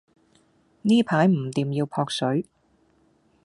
呢排唔掂要撲水